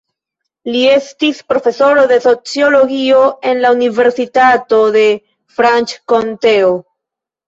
Li estis profesoro de sociologio en la Universitato de Franĉkonteo.